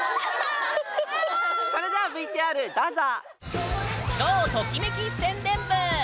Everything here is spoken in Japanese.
それではＶＴＲどうぞ！